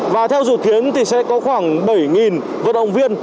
và theo dự kiến thì sẽ có khoảng bảy vận động viên